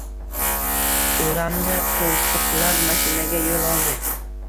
O’ramni qo‘ltiqlab, mashinaga yo‘l oldi.